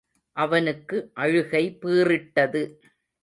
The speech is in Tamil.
அவனுக்கு அழுகை பீறிட்டது.